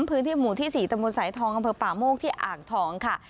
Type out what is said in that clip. พื้นที่หมู่ที่๔ตะบนสายทองอำเภอป่าโมกที่อ่างทองค่ะ